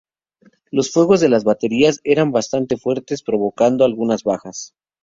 Los fuegos de las baterías eran bastante fuertes provocando algunas bajas.